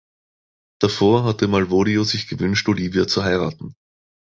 Davor hatte Malvolio sich gewünscht, Olivia zu heiraten.